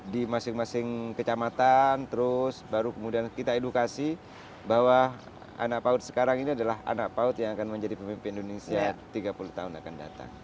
di masing masing kecamatan terus baru kemudian kita edukasi bahwa anak paut sekarang ini adalah anak paut yang akan menjadi pemimpin indonesia tiga puluh tahun akan datang